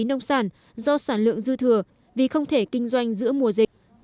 tránh tình trạng lãng phí nông sản do sản lượng dư thừa vì không thể kinh doanh giữa mùa dịch